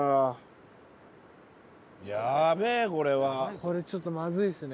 これちょっとまずいですね。